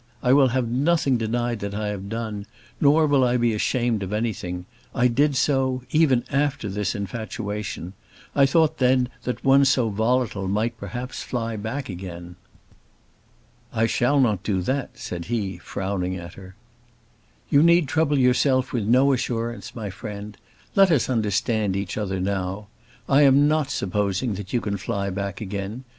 I will have nothing denied that I have done, nor will I be ashamed of anything. I did do so, even after this infatuation. I thought then that one so volatile might perhaps fly back again." "I shall not do that," said he, frowning at her. "You need trouble yourself with no assurance, my friend. Let us understand each other now. I am not now supposing that you can fly back again.